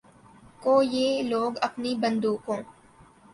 کو یہ لوگ اپنی بندوقوں